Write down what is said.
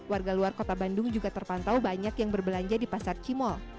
warga luar kota bandung juga terpantau banyak yang berbelanja di pasar cimol